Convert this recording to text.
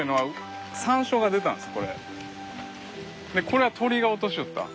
これは鳥が落としよった。